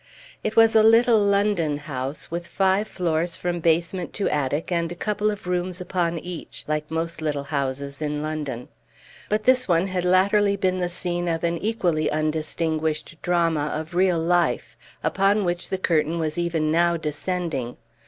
It was a little London house, with five floors from basement to attic, and a couple of rooms upon each, like most little houses in London; but this one had latterly been the scene of an equally undistinguished drama of real life, upon which the curtain was even now descending.